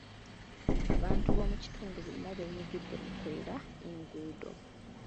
Abantu boomukitundu bonna beenyigidde mu kwera enguudo.